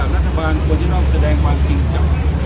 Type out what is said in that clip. รัฐบาลควรจะต้องแสดงความจริงจาก